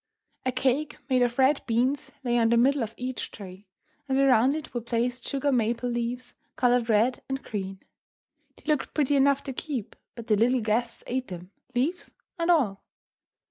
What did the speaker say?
A cake made of red beans lay on the middle of each tray, and around it were placed sugar maple leaves coloured red and green. They looked pretty enough to keep, but the little guests ate them, leaves and all.